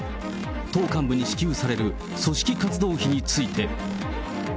党幹部に支給される組織活動費について。